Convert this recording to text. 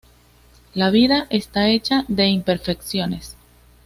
La vida está hecha de imperfecciones.